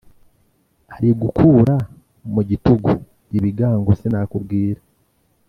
Ari gukura mu gitugu ibigango sinakubwira